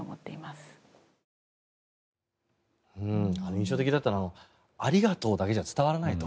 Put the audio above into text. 印象的だったのはありがとうだけじゃ伝わらないと。